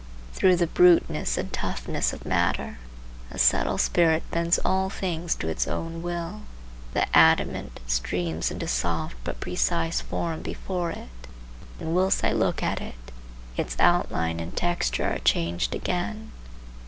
Through the bruteness and toughness of matter, a subtle spirit bends all things to its own will. The adamant streams into soft but precise form before it, and whilst I look at it its outline and texture are changed again.